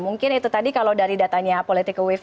mungkin itu tadi kalau dari datanya politika wave